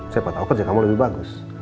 siapa tahu kerja kamu lebih bagus